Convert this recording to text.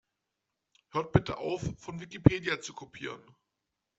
Hört bitte auf, von Wikipedia zu kopieren!